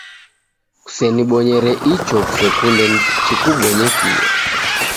Kusenibonyere icho kusekunde chikubonyekie.